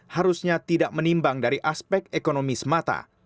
harusnya tidak menimbang dari aspek ekonomi semata